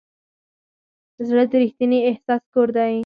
زړه د ریښتیني احساس کور دی.